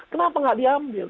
kenapa tidak diambil